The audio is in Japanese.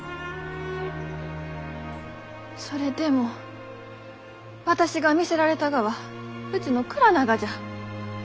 それでも私が魅せられたがはうちの蔵ながじゃ！